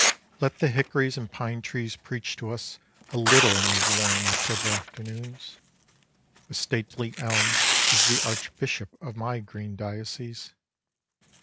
Let the hickories and pine trees preach to us a little in these warm October afternoons. A stately elm is the archbishop of my green diocese.